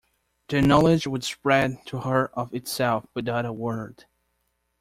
The knowledge would spread to her of itself, without a word.